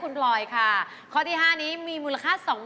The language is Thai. ครับขอบคุณที่ไหน